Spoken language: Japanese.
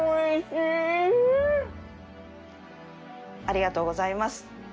ありがとうございます。